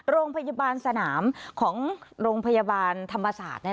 โรงพยาบาลสนามของโรงพยาบาลธรรมศาสตร์